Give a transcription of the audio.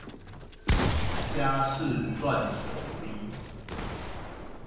家事斷捨離